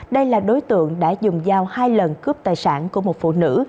đây là đối tượng đã dùng dao hai lần cướp tài sản của một phụ nữ